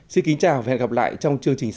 xin kính chào và hẹn gặp lại trong chương trình sau